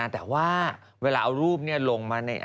ชุดแพงอยู่นะ